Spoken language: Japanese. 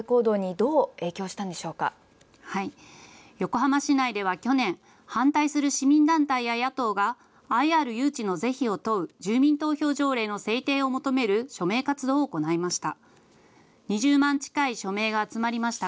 横浜市内では去年、反対する市民団体や野党がＩＲ誘致の是非を問う住民投票条例の制定を求める署名活動を行いました。